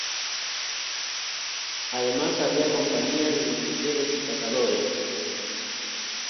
Además había compañías de mosqueteros y cazadores.